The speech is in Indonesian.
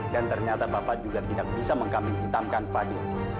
dan ternyata bapak juga tidak bisa mengkambing hitamkan fadil